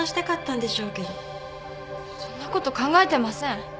そんなこと考えてません。